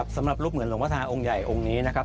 สำหรับรูปเหมือนหลวงพระธาองค์ใหญ่องค์นี้นะครับ